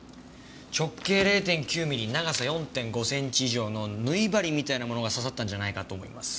直径０．９ミリ長さ４．５センチ以上の縫い針みたいなものが刺さったんじゃないかと思います。